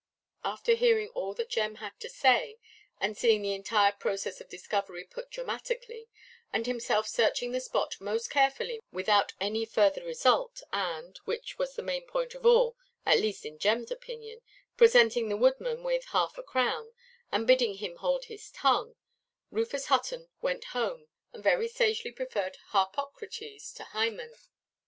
After hearing all that Jem had to say, and seeing the entire process of discovery put dramatically, and himself searching the spot most carefully without any further result, and (which was the main point of all, at least in Jemʼs opinion) presenting the woodman with half–a–crown, and bidding him hold his tongue, Rufus Hutton went home, and very sagely preferred Harpocrates to Hymen.